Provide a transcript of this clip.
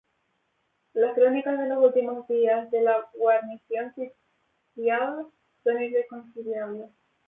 Las crónicas de los últimos días de la guarnición sitiada son irreconciliables.